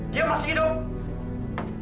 dia masih hidup